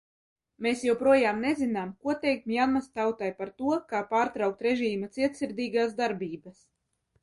Mēs joprojām nezinām, ko teikt Mjanmas tautai par to, kā pārtraukt režīma cietsirdīgās darbības.